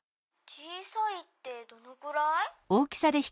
「小さいってどのくらい？」。